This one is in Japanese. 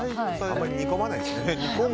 あまり煮込まないですよね。